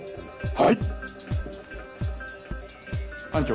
はい。